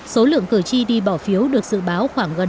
số lượng cử tri đi bỏ phiếu được dự báo khoảng gần